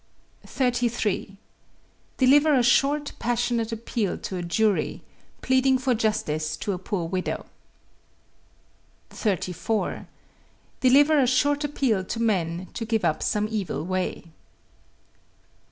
33. Deliver a short, passionate appeal to a jury, pleading for justice to a poor widow. 34. Deliver a short appeal to men to give up some evil way.